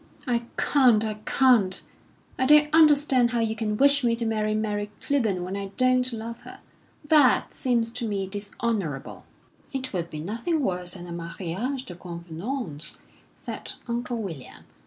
"I can't, I can't! I don't understand how you can wish me to marry Mary Clibborn when I don't love her. That seems to me dishonourable." "It would be nothing worse than a mariage de convenance," said Uncle William.